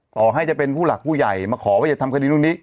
ต่อให้จะเป็นผู้หลักผู้ใหญ่มาขอว่าจะทำคดีนู่นนี่